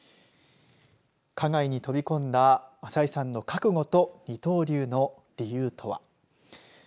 花街に飛び込んだ朝井さんの覚悟と二刀流の理由とは。